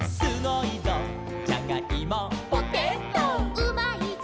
「うまいぞ！